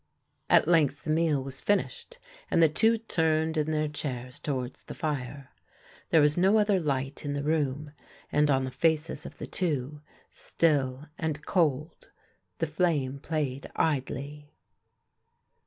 At length the meal was finished, and the two turned in their chairs towards the lire. There was no other light in the room, and on the faces of the two, still and cold, the flame played idly.